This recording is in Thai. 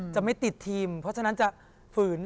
จะไม่ติดทีมเพราะฉะนั้นจะฝืน